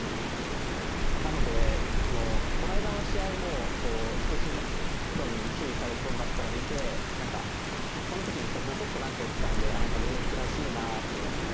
なのでこの間の試合も球審の人に注意されそうになったのを見てなんかその時にボソッとなんか言ってたので朗希らしいなと。